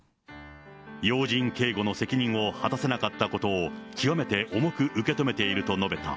要人警護の責任を果たせなかったことを、極めて重く受け止めていると述べた。